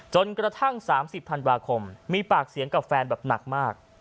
กระทั่ง๓๐ธันวาคมมีปากเสียงกับแฟนแบบหนักมาก